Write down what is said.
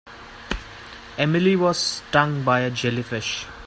Emily was stung by a jellyfish.